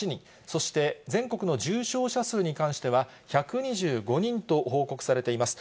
そして全国の重症者数に関しては、１２５人と報告されています。